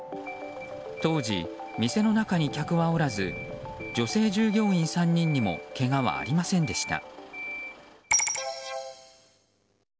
当時、店の中に客はおらず女性従業員３人にもけがはありませんでした。